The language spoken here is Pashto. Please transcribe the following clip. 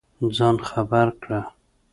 ځان خبر کړ.